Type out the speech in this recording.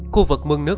khu vực mương nước